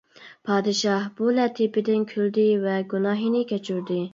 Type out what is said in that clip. پادىشاھ بۇ لەتىپىدىن كۈلدى ۋە گۇناھىنى كەچۈردى.